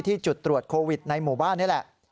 จุดตรวจโควิดในหมู่บ้านนี่แหละ